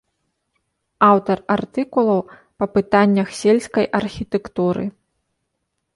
Аўтар артыкулаў па пытаннях сельскай архітэктуры.